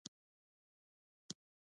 ایا ژړا نه کوي؟